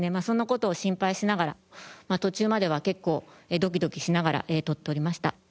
そんな事を心配しながら途中までは結構ドキドキしながら撮っておりました。